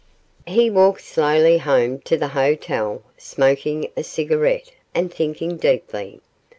He walked slowly home to the hotel, smoking a cigarette, and thinking deeply.